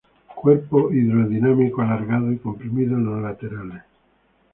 Cuerpo hidrodinámico, alargado y comprimido en los laterales.